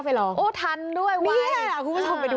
เย็นเย็น